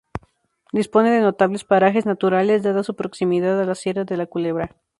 Dispone de notables parajes naturales, dada su proximidad a la Sierra de la Culebra.